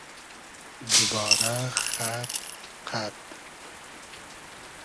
دوبارۂ خئد قئد